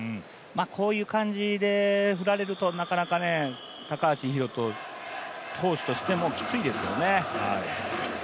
こういう感じで振られるとなかなか高橋宏斗、投手としてもきついですよね。